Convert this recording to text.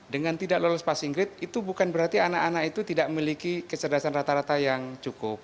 dengan tidak lolos passing grade itu bukan berarti anak anak itu tidak memiliki kecerdasan rata rata yang cukup